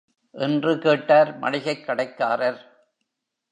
என்று கேட்டார் மளிகைக் கடைக்காரர்.